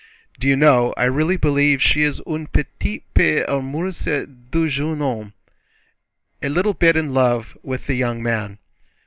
"Do you know, I really believe she is un petit peu amoureuse du jeune homme." "A little bit in love with the young man."